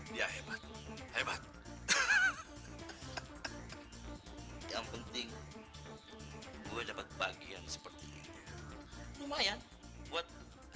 dia hebat hebat yang penting gue dapat bagian seperti ini lumayan buat